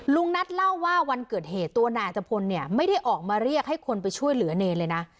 ลุงนัทเล่าว่าวันเกิดเหตุตัวนายอัตภพลเนี่ยไม่ได้ออกมาเรียกให้คนไปช่วยเหลือเนรเลยนะ